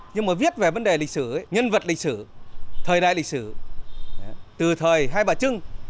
nhưng mà viết về vấn đề lịch sử nhân vật lịch sử thời đại lịch sử từ thời hai bà trưng